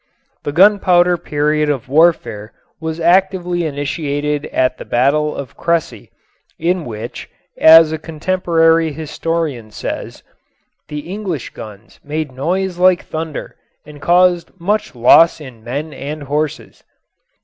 The gunpowder period of warfare was actively initiated at the battle of Cressy, in which, as a contemporary historian says, "The English guns made noise like thunder and caused much loss in men and horses."